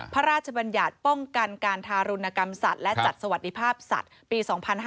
พระราชบัญญัติป้องกันการทารุณกรรมสัตว์และจัดสวัสดิภาพสัตว์ปี๒๕๕๙